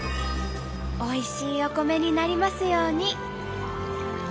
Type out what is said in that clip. おいしいお米になりますように！